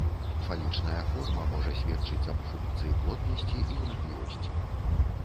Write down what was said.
Фалічная форма можа сведчыць аб функцыі плоднасці і ўрадлівасці.